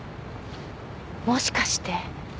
もしかして。